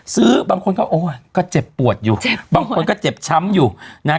บางคนก็โอ้ยก็เจ็บปวดอยู่เจ็บบางคนก็เจ็บช้ำอยู่นะฮะ